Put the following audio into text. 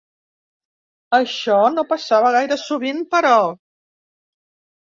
Això no passava gaire sovint, però.